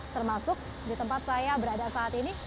termasuk di tempat saya berada saat ini